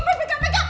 pecah pecah pecah